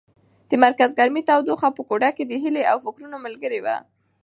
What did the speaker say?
د مرکز ګرمۍ تودوخه په کوټه کې د هیلې د فکرونو ملګرې وه.